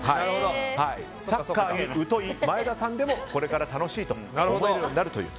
サッカーに疎い前田さんでもこれから、楽しいと思えるようになるという。